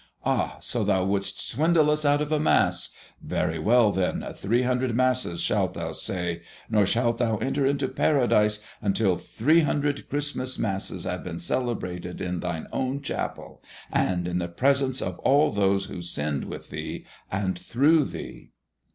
Ah, so thou wouldst swindle us out of a Mass! Very well, then, three hundred Masses shalt thou say, nor shalt thou enter into Paradise until three hundred Christmas Masses have been celebrated in thine own chapel, and in the presence of all those who sinned with thee and through thee."